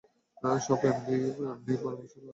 সব এমনি এমনিই মরবো, শালারা।